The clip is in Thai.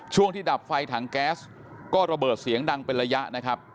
ช่วงที่ดับไฟถังแก๊สก็ระเบิดเสียงดังเป็นระยะนะครับ